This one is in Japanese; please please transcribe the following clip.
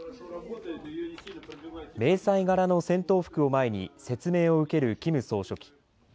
迷彩柄の戦闘服を前に説明を受けるキム総書記。